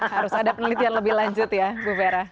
harus ada penelitian lebih lanjut ya bu vera